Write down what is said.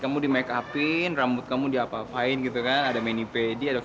kamu di make upin rambut kamu di apa apain gitu kan ada menipedi ada